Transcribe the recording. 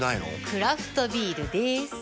クラフトビールでーす。